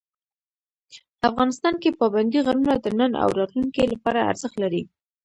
افغانستان کې پابندی غرونه د نن او راتلونکي لپاره ارزښت لري.